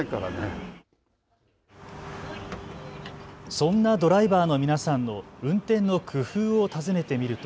そんなドライバーの皆さんの運転の工夫を尋ねてみると。